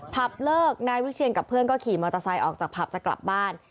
ผับเลิกนายวิเชียนกับเพื่อนก็ขี่มอเตอร์ไซค์ออกจากผับจะกลับบ้าน